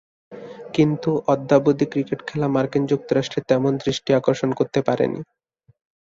কিন্তু অদ্যাবধি ক্রিকেট খেলা মার্কিন যুক্তরাষ্ট্রে তেমন দৃষ্টি আকর্ষণ করতে পারেনি।